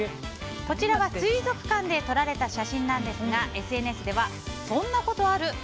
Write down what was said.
こちらは水族館で撮られた写真なんですがＳＮＳでは、そんなことある？